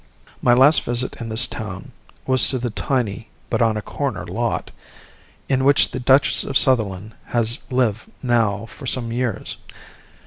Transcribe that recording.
My last visit in this town was to the tiny but on a "corner lot," in which the Duchess of Sutherland has lived now for some years.